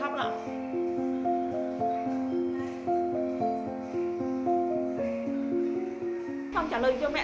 không trả lời cho mẹ